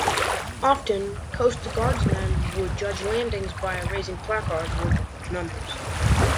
Often Coast Guardsmen would judge landings by raising placards with large numbers.